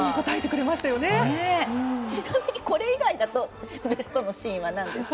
ちなみにこれ以外だとベストのシーンは何ですか？